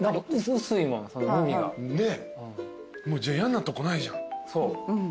じゃあ嫌なとこないじゃん。